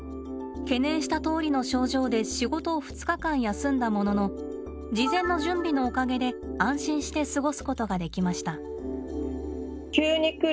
懸念したとおりの症状で仕事を２日間休んだものの事前の準備のおかげで安心して過ごすことができました。